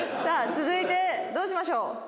さあ続いてどうしましょう？